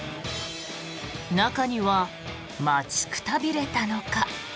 中には待ちくたびれたのか。